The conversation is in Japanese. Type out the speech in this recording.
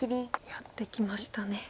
やってきましたね。